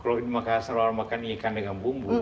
kalau di makassar orang makan ikan dengan bumbu